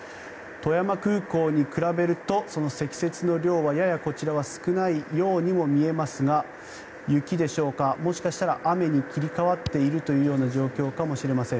富山空港に比べると積雪の量はややこちらは少ないようにも見えますが雪でしょうかもしかしたら雨に切り替わっているような状況かもしれません。